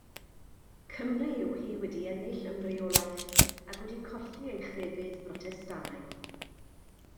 Cymru yw hi wedi ennill ymreolaeth ac wedi colli ei chrefydd Brotestannaidd.